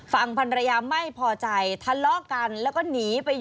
ฟังพรรยามไม่พอใจ